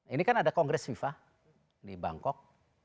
ini kan ada kongres fifa di bangkok